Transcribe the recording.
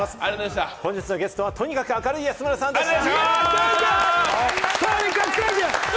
きょうのゲストはとにかく明るい安村さんでした！